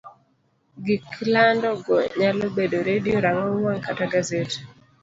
gik lando go nyalo bedo redio, rang'ong wang', kata gaset.